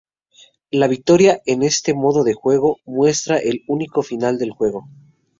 La victoria en este modo de juego muestra el único "final" del juego.